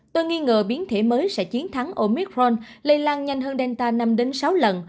tôi nghi ngờ biến thể mới sẽ chiến thắng omithron lây lan nhanh hơn delta năm sáu lần